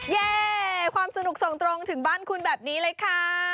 แย่ความสนุกส่งตรงถึงบ้านคุณแบบนี้เลยค่ะ